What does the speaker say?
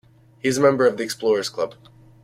He is a member of The Explorers Club.